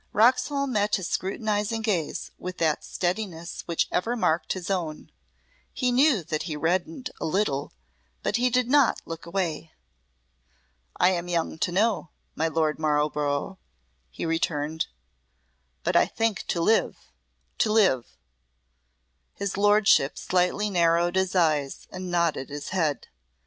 Roxholm met his scrutinizing gaze with that steadiness which ever marked his own. He knew that he reddened a little, but he did not look away. "I am young to know, my Lord Marlborough," he returned, "but I think to live to live." His Lordship slightly narrowed his eyes, and nodded his head.